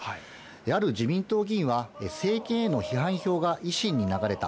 ある自民党議員は、政権への批判票が維新に流れた。